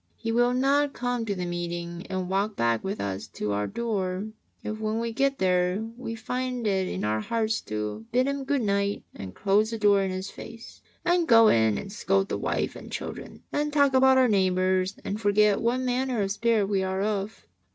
He will not come to the meeting and walk back with us to our door, if when we get there we find it in our hearts to bid Him good night and close the door in His face, and go in and scold the wife and children and talk about our neighbours and forget what manner of spirit we are of.